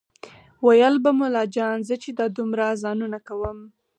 ویل به ملا جان زه چې دا دومره اذانونه کوم